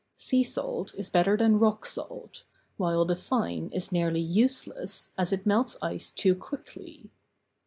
Sea salt is better than rock salt, while the fine is nearly useless, as it melts ice too quickly.